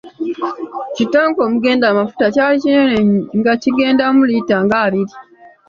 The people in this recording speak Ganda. Kittanka omugenda amafuta kyali kinene nga kigendamu liita nga abiri.